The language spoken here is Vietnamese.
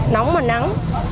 nóng mà nắng